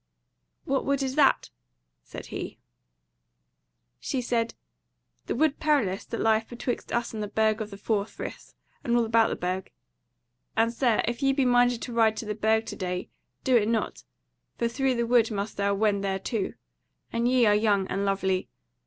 "What wood is that?" said he. She said: "The Wood Perilous, that lieth betwixt us and the Burg of the Four Friths, and all about the Burg. And, Sir, if ye be minded to ride to the Burg to day, do it not, for through the wood must thou wend thereto; and ye are young and lovely.